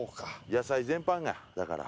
野菜全般がだから。